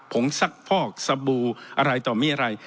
งซักพอกสบู่อะไรต่อมีอะไร